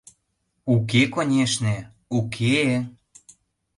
— Уке, конешне, уке-е!